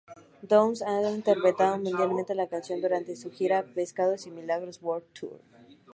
Downs ha interpretado mundialmente la canción durante su gira Pecados y Milagros World Tour.